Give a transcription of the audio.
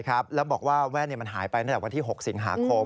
แล้วบอกว่าแว่นมันหายไปตั้งแต่วันที่๖สิงหาคม